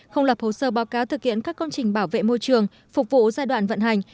không lập hồ sơ báo cáo thực hiện các công trình bảo vệ môi trường phục vụ giai đoạn vận hành